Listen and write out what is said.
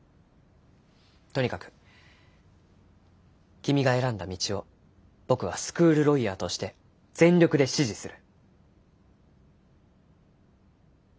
とにかく君が選んだ道を僕はスクールロイヤーとして全力で支持する。